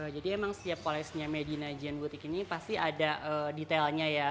jadi emang setiap koleksinya medina jeanne boutique ini pasti ada detailnya ya